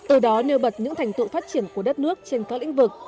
ở đó nêu bật những thành tựu phát triển của đất nước trên các lĩnh vực